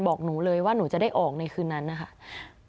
บอกหนูเลยว่าหนูจะได้ออกในคืนนั้นนะคะ